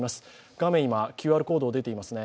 画面にＱＲコードが出ていますね。